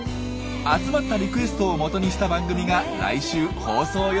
集まったリクエストをもとにした番組が来週放送予定です。